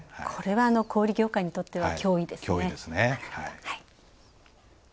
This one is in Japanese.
これは小売業界にとっては脅威ですね。